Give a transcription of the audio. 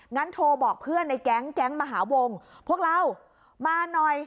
งั้นโทรบอกเพื่อนในแก๊งแก๊งมหาวงพวกเรามาหน่อย